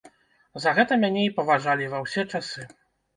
За гэта мяне і паважалі ва ўсе часы.